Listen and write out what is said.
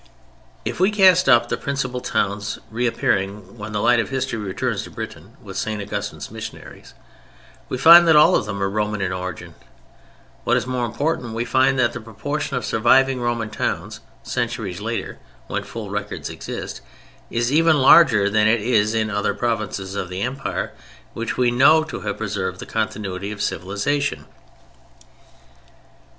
If we cast up the principal towns reappearing when the light of history returns to Britain with St. Augustine's missionaries, we find that all of them are Roman in origin; what is more important, we find that the proportion of surviving Roman towns centuries later, when full records exist, is even larger than it is in other provinces of the Empire which we know to have preserved the continuity of civilization.